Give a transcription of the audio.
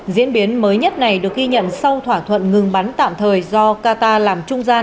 diễn biến mới nhất này được ghi nhận sau thỏa thuận ngừng bắn tạm thời do qatar làm trung gian